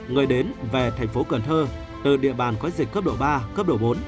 người đến về tp cần thơ từ địa bàn có dịch cấp độ ba cấp độ bốn